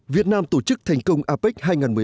việt nam tổ chức thành công apec hai nghìn một mươi tám